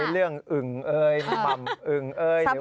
เรื่องอึ่งเอ้ยปัมป์อึ่งเอ้ย